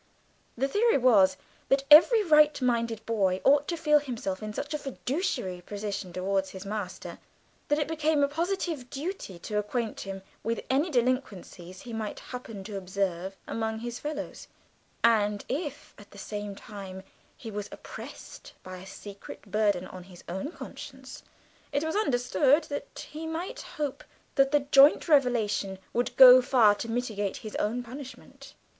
The theory was that every right minded boy ought to feel himself in such a fiduciary position towards his master, that it became a positive duty to acquaint him with any delinquencies he might happen to observe among his fellows; and if, at the same time, he was oppressed by a secret burden on his own conscience, it was understood that he might hope that the joint revelation would go far to mitigate his own punishment.